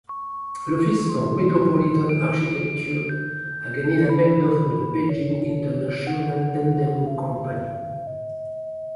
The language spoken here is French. L'Office for Metropolitan Architecture a gagné l'appel d'offres de la Beijing International Tendering Co.